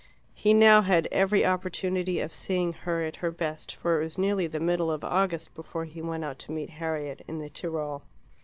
He now had every opportunity of seeing her at her best, for it was nearly the middle of August before he went out to meet Harriet in the Tirol.